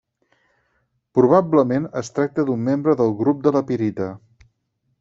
Probablement es tracta d'un membre del grup de la pirita.